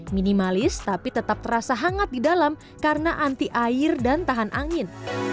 minimalis tapi tetap terasa hangat di dalam karena anti air dan tahan angin